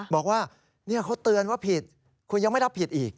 บอกว่าเขาเตือนว่าผิดคุณยังไม่รับผิดอีก